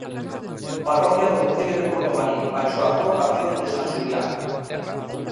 Parroquia do concello de Portomarín baixo a advocación de san Xulián.